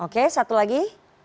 oke satu lagi